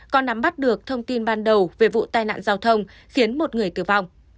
có nắm bắt được thông tin ban đầu về vụ tai nạn giao thông khiến một người tử vong